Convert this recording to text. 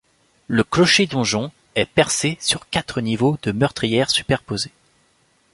Le clocher-donjon est percé sur quatre niveaux de meurtrières superposées.